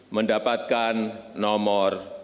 mendapatkan nomor satu